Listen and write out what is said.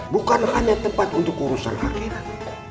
bukan hanya tempat untuk urusan akhirat